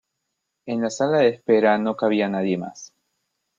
En la sala de espera no cabía nadie más.